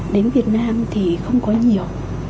đến việt nam thì không có nhiều